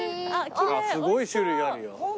すごい種類あるよ。